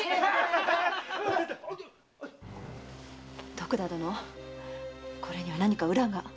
徳田殿これには何か裏が。